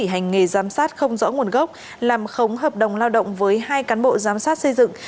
hành nghề giám sát không rõ nguồn gốc làm khống hợp đồng lao động với hai cán bộ giám sát xây dựng